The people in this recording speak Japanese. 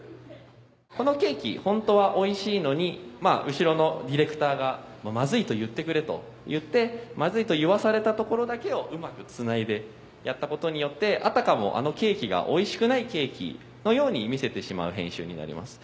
このケーキホントはおいしいのに後ろのディレクターが「マズイと言ってくれ」といってマズイと言わされたところだけをうまくつないだことによってあたかもあのケーキがおいしくないケーキのように見せてしまう編集になります。